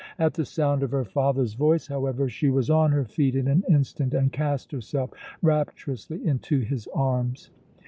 At the sound of her father's voice, however, she was on her feet in an instant and cast herself rapturously into his arms.